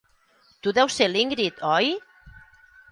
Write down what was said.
Tu deus ser l'Ingrid, oi?